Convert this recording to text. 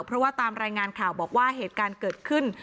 เพราะว่าตามรายงานข่าวบอกว่าเหตุการณ์เกิดขึ้น